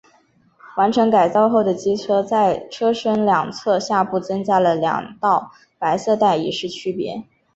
完成改造后的机车在车身两侧下部增加了两道白色带以示区别。